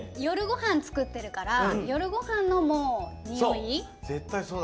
夜ごはんつくってるから夜ごはんのもうにおい。